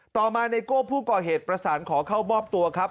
ต่อมาไนโก้ผู้ก่อเหตุประสานขอเข้ามอบตัวครับ